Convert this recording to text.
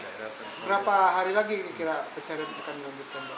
berapa hari lagi kira pencarian akan dilanjutkan